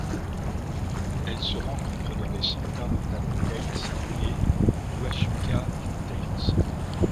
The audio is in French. Elle se rencontre dans les Santa Rita Mountains et les Huachuca Mountains.